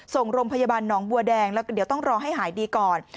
ส่งโรงพยาบาลหนองบัวแดงแล้วก็เดี๋ยวต้องรอให้หายดีก่อน